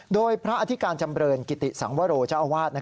โดยพระอธิการจำเรินกิติสังวโรเจ้าอาวาส